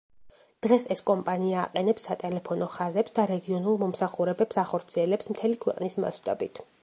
დღეს ეს კომპანია აყენებს სატელეფონო ხაზებს და რეგიონულ მომსახურებებს ახორციელებს მთელი ქვეყნის მასშტაბით.